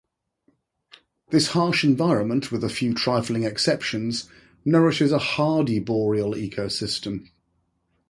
This harsh environment, with a few trifling exceptions, nourishes a hardy boreal ecosystem.